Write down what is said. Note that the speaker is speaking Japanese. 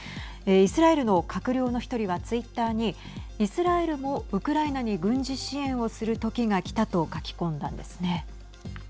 イスラエルの閣僚の１人はツイッターにイスラエルもウクライナに軍事支援をする時がきたと書き込んだんですね。